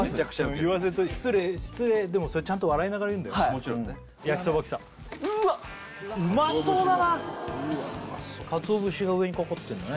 言わせて失礼でもそれちゃんと笑いながら言うんだよ焼きそば来たうわっうまそうだなかつお節が上にかかってんだね